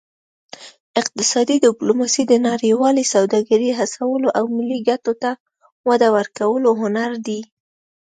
اقتصادي ډیپلوماسي د نړیوالې سوداګرۍ هڅولو او ملي ګټو ته وده ورکولو هنر دی